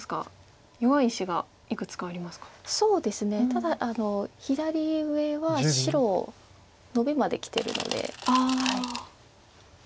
ただ左上は白ノビまできてるので。